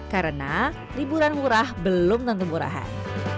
karena liburan murah belum tentu murahan